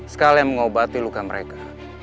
sekalian mengobati luka mereka